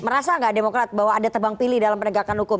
merasa nggak demokrat bahwa ada tebang pilih dalam penegakan hukum